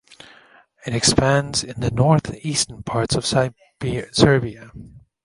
It expands in the north-eastern parts of Serbia.